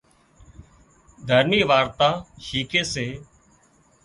دهرمي وارتا شيکي سي